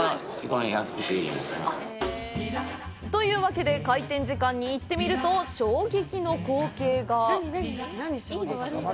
というわけで開店時間に行ってみると衝撃の光景が！